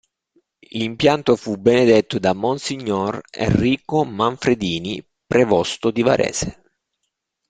L'impianto fu benedetto da Mons. Enrico Manfredini, prevosto di Varese.